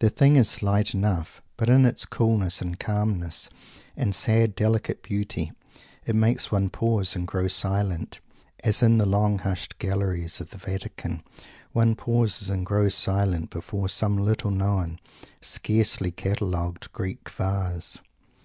The thing is slight enough; but in its coolness, and calmness, and sad delicate beauty, it makes one pause and grow silent, as in the long hushed galleries of the Vatican one pauses and grows silent before some little known, scarcely catalogued Greek Vase.